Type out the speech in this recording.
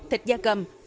thịt da cầm